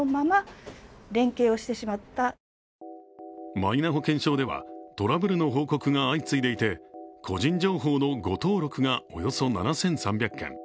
マイナ保険証ではトラブルの報告が相次いでいて個人情報の誤登録がおよそ７３００件。